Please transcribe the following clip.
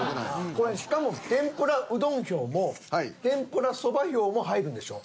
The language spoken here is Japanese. これしかも天ぷらうどん票も天ぷらそば票も入るんでしょ？